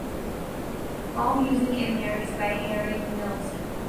All music and lyrics by Harry Nilsson.